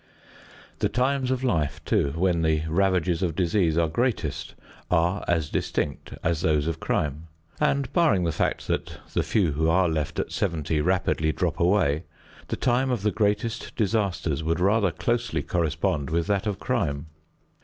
The times of life, too, when the ravages of disease are greatest are as distinct as those of crime. And barring the fact that the few who are left at seventy rapidly drop away, the time of the greatest disasters would rather closely correspond with that of crime.